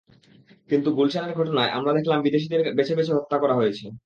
কিন্তু গুলশানের ঘটনায় আমরা দেখলাম বিদেশিদের বেছে বেছে হত্যা করা হয়েছে।